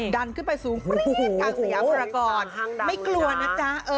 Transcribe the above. ดันขึ้นไปสูงปรี๊ดด้านสยามรากรไม่กลัวนะจ๊ะ